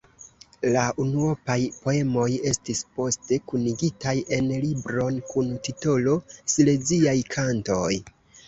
La unuopaj poemoj estis poste kunigitaj en libron kun titolo "Sileziaj kantoj".